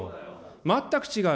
全く違う。